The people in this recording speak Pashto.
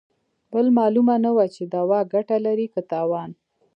بل مالومه نه وه چې دوا ګته لري که تاوان.